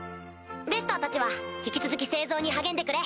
ベスターたちは引き続き製造に励んでくれ。